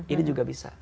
ini juga bisa